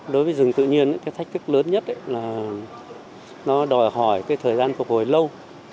đối với rừng tự nhiên cái thách thức lớn nhất là nó đòi hỏi cái thời gian phục hồi lâu